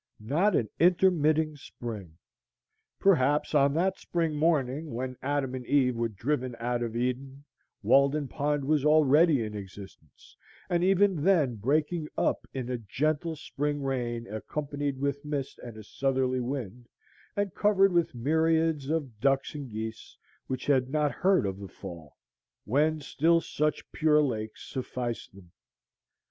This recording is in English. Not an intermitting spring! Perhaps on that spring morning when Adam and Eve were driven out of Eden Walden Pond was already in existence, and even then breaking up in a gentle spring rain accompanied with mist and a southerly wind, and covered with myriads of ducks and geese, which had not heard of the fall, when still such pure lakes sufficed them.